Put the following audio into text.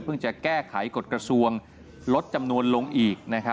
จะแก้ไขกฎกระทรวงลดจำนวนลงอีก